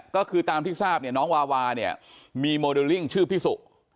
ก็คือตามที่ทราบเนี่ยน้องวาวาเนี่ยมีโมเดลลิ่งชื่อพี่สุ